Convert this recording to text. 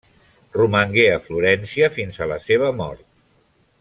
Romangué a Florència fins a la seva mort.